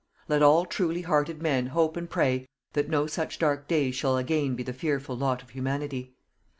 Let all truly hearted men hope and pray that no such dark days shall again be the fearful lot of Humanity.